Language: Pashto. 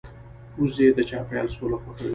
وزې د چاپېریال سوله خوښوي